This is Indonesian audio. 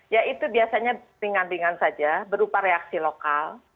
ya itu biasanya ringan ringan saja berupa reaksi lokal